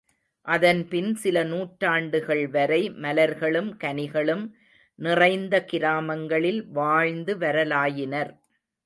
அதன்பின் சில நூற்றாண்டுகள்வரை மலர்களும் கனிகளும் நிறைந்த கிராமங்களில் வாழ்ந்து வரலாயினர்.